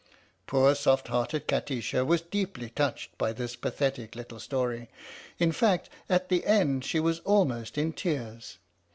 " Poor soft hearted Kati sha was deeply touched by this pathetic little story. In fact, at the end, she was almost in tears.